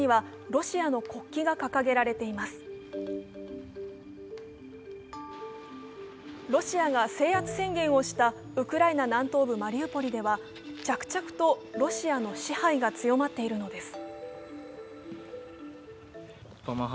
ロシアが制圧宣言をしたウクライナ南部マリウポリでは着々とロシアの支配が強まっているのです。